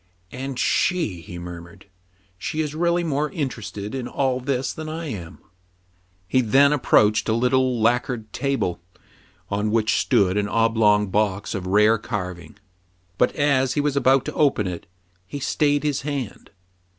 And she !" he murmured. " She is really more interested in all this than I am." He then approached a little lacquered table, on AN IMPORTANT ZETTER. ^^J which stood an oblong box of rare carving ; but, as he was about to open it, he stayed his hand.